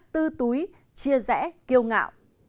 tư túi chia rẽ kiêu ngạo